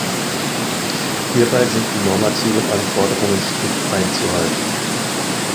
Hierbei sind die normativen Anforderungen strikt einzuhalten.